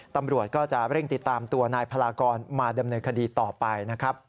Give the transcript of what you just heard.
ตำรวจก็จะเร่งติดตามตัวนายพลากรมาดำเนินคดีต่อไปนะครับ